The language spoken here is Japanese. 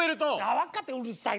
分かったうるさいな。